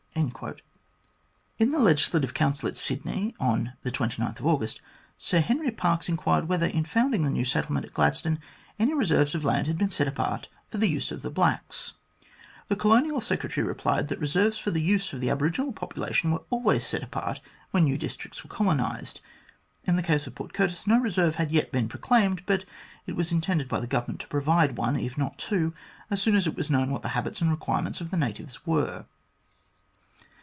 In the Legislative Council at Sydney on August 29, Sir Henry Parkes inquired whether in founding the new settle ment at Gladstone any reserves of land had been set apart for the use of the blacks ? The Colonial Secretary replied that reserves for the use of the aboriginal population were always set apart when new districts were colonised. In the case of Port Curtis no reserve had yet been proclaimed, but it was intended by the Government to provide one, if not two, as soon as it was known what the habits and require ments of the natives were.